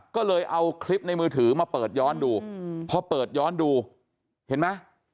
ก็เลยเอาคลิปในมือถือมาเปิดย้อนดูพอเปิดย้อนดูเห็นไหม